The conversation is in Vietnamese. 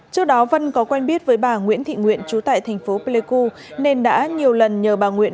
trước đó vân có quen biết với bà nguyễn thị nguyện trú tại thành phố pleiku nên đã nhiều lần nhờ bà nguyễn